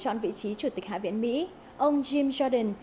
trong cuộc bồi trọn vị trí chủ tịch hạ viện mỹ ông jim jordan